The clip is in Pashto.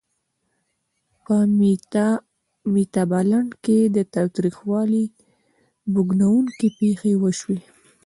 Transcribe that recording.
په میتابالنډ کې د تاوتریخوالي بوږنوونکې پېښې وشوې.